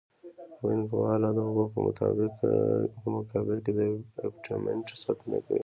وینګ وال د اوبو په مقابل کې د ابټمنټ ساتنه کوي